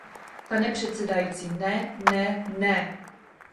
Pane předsedající, ne, ne, ne!